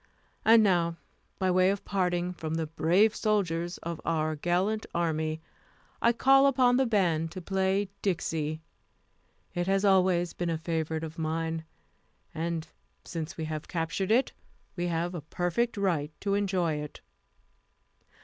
And now, by way of parting from the brave soldiers of our gallant army, I call upon the band to play Dixie. It has always been a favorite of mine, and since we have captured it, we have a perfect right to enjoy it."